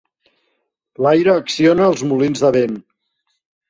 L'aire acciona els molins de vent.